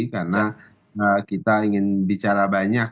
karena kita ingin bicara banyak